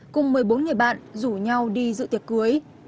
cùng một mươi bốn người bạn rủ nhau đi dự tiệc cưới